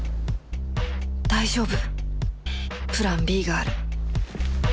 大丈夫プラン Ｂ がある